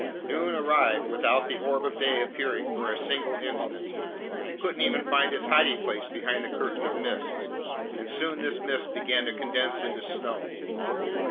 Noon arrived without the orb of day appearing for a single instant. You couldn't even find its hiding place behind the curtain of mist. And soon this mist began to condense into snow.